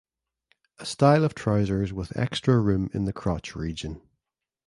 A style of trousers with extra room in the crotch region.